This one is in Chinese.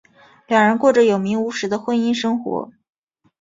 两人过着有名无实的婚姻生活。